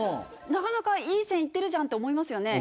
なかなかいい線行ってるじゃんって思いますよね。